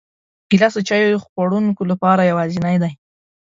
ګیلاس د چای خوړونکو لپاره یوازینی دی.